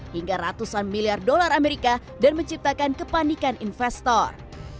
hingga ratusan miliar dolar amerika dan menciptakan kepanikan investor